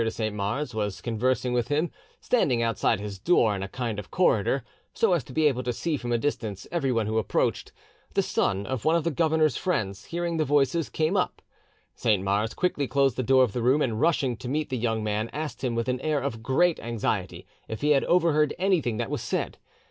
de Saint Mars was conversing with him, standing outside his door, in a kind of corridor, so as to be able to see from a distance everyone who approached, the son of one of the governor's friends, hearing the voices, came up; Saint Mars quickly closed the door of the room, and, rushing to meet the young man, asked him with an air of great anxiety if he had overheard anything that was said.